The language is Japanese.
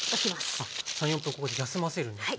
３４分ここで休ませるんですね。